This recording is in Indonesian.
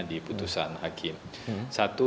di putusan hakim satu